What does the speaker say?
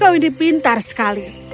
kau ini pintar sekali